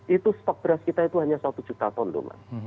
itu stok beras kita itu hanya satu juta ton tuh mas